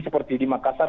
seperti di makassar